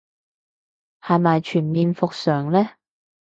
係咪全面復常嘞